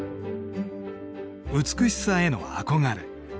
美しさへの憧れ。